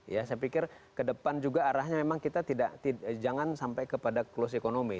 ya saya pikir ke depan juga arahnya memang kita tidak jangan sampai kepada close economy